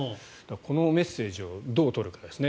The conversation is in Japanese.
このメッセージをどう取るかですね。